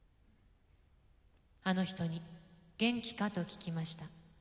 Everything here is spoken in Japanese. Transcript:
あの女に元気かとききました。